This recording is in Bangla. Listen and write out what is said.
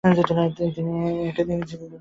তাই তিনি তাদেরকে চিনলেও তারা তাকে চিনতে পারেনি।